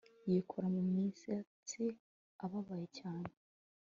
yikora mumisatsi ababaye cyane